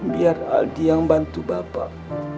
biar aldi yang bantu bapak